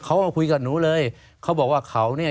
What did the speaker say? เขาก็คุยกับหนูเลยเขาบอกว่าเขาเนี่ย